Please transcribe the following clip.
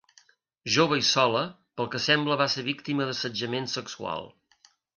Jove i sola, pel que sembla va ser víctima d'assetjament sexual.